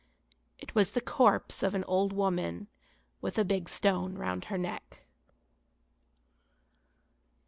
It was the corpse of an old women with a big stone round her neck.